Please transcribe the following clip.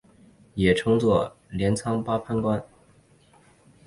也称作镰仓八幡宫。